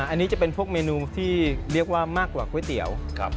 อันนี้จะเป็นพวกเมนูที่เรียกว่ามากกว่าก๋วยเตี๋ยว